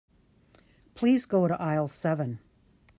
Please go to aisle seven.